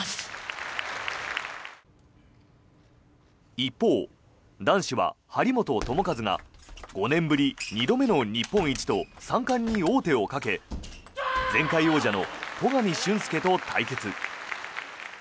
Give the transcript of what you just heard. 一方、男子は張本智和が５年ぶり２度目の日本一と３冠に王手をかけ前回王者の戸上隼輔と対決。